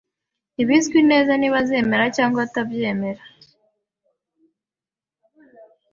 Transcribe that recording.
Ntibizwi neza niba azemera cyangwa atabyemera